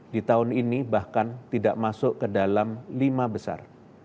di tahun ini bahkan tidak masuk ke dalam lima besar